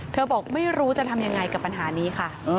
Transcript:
บอกไม่รู้จะทำยังไงกับปัญหานี้ค่ะ